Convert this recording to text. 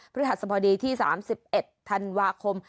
พฤหัสพดีที่สามสิบเอ็ดธันวาคม